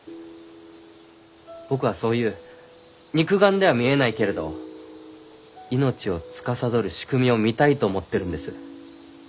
僕はそういう肉眼では見えないけれど命をつかさどる仕組みを見たいと思ってるんです。